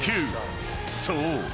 ［そう。